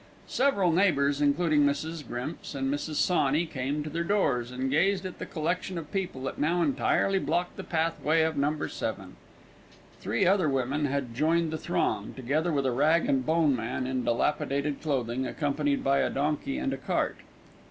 Several neighbours, including Mrs. Grimps and Mrs. Sawney, came to their doors and gazed at the collection of people that now entirely blocked the pathway of No. 7. Three other women had joined the throng, together with a rag and bone man in dilapidated clothing, accompanied by a donkey and cart.